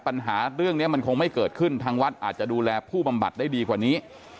ปัญหาเรื่องนี้มันคงไม่เกิดขึ้นทางวัดอาจจะดูแลผู้บำบัดได้ดีกว่านี้